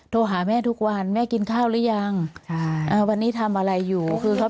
โทรหาแม่ทุกวันแม่กินข้าวหรือยังใช่อ่าวันนี้ทำอะไรอยู่คือเขา